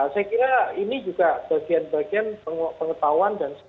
saya kira ini juga bagian bagian pengetahuan dan sebagainya